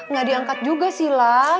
nggak diangkat juga sih lah